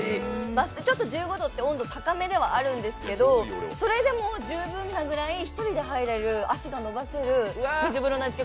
ちょっと１５度って温度高めではあるんですけどそれでも十分なぐらい１人で入れる足が伸ばせる水風呂なんです。